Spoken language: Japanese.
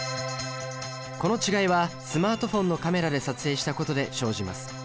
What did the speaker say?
この違いはスマートフォンのカメラで撮影したことで生じます。